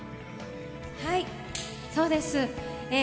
はい、そうです。